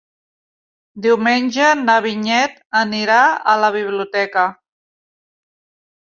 Diumenge na Vinyet anirà a la biblioteca.